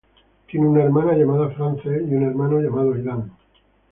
Tiene una hermana llamada Frances y un hermano llamado Aidan.